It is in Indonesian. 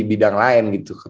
di bidang lain gitu